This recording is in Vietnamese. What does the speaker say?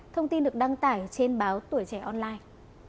thông tin được đăng tải trên báo tuổi trẻ online